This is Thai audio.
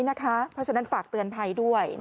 เพราะฉะนั้นฝากเตือนภัยด้วย